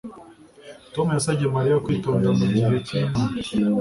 Tom yasabye Mariya kwitonda mugihe cyinama